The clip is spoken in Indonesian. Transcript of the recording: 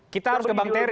kita harus ke bang teri